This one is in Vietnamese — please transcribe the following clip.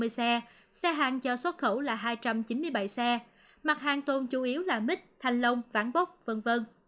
một một trăm năm mươi xe xe hàng do xuất khẩu là hai trăm chín mươi bảy xe mặt hàng tồn chủ yếu là mít thanh lông vãng bóc v v